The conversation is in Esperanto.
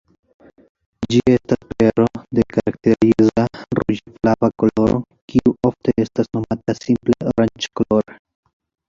Ĝi estas bero de karakteriza ruĝe-flava koloro, kiu ofte estas nomata simple oranĝkolora.